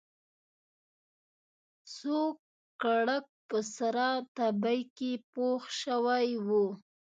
سوکړک په سره تبۍ کې پوخ شوی و.